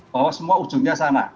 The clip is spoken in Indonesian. bahwa semua ujungnya sana